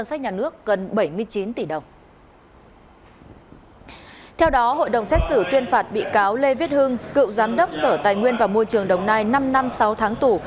xét xử tuyên phạt bị cáo lê viết hưng cựu giám đốc sở tài nguyên và môi trường đồng nai năm năm sáu tháng tù